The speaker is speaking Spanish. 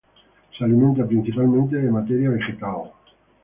Se alimenta principalmente de materia vegetal.